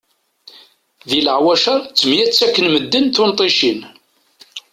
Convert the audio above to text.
Di leɛwacer ttemyettakken medden tunṭicin.